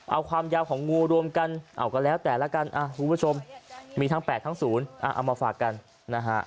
เอาความยาวของงูรวมกันเอาก็แล้วแต่ละกันคุณผู้ชมมีทั้ง๘ทั้งศูนย์เอามาฝากกันนะฮะ